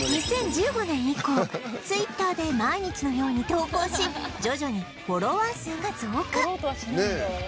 ２０１５年以降 Ｔｗｉｔｔｅｒ で毎日のように投稿し徐々にフォロワー数が増加